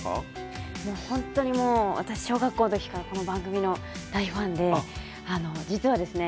もうほんとにもう私小学校の時からこの番組の大ファンで実はですね